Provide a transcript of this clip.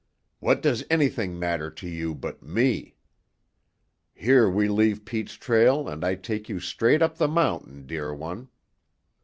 "What does anything matter to you but me? Here we leave Pete's trail and I take you straight up the mountain, dear one.